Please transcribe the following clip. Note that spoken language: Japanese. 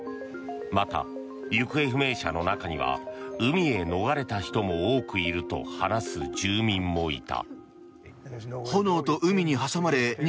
また、行方不明者の中には海へ逃れた人も多くいると話す住民もいた。